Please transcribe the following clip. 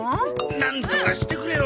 なんとかしてくれよ